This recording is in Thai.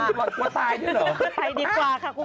นี่หล่อนกลัวตายด้วยเหรอ